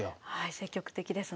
積極的ですね。